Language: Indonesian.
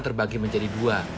terbagi menjadi dua